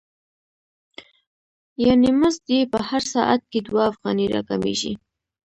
یانې مزد یې په هر ساعت کې دوه افغانۍ را کمېږي